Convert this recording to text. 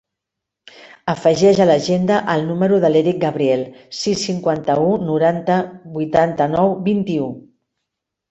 Afegeix a l'agenda el número de l'Eric Gabriel: sis, cinquanta-u, noranta, vuitanta-nou, vint-i-u.